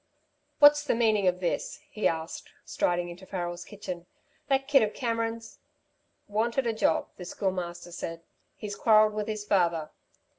"What's the meaning of this?" he asked, striding into Farrel's kitchen. "That kid of Cameron's " "Wanted a job," the Schoolmaster said. "He's quarrelled with his father."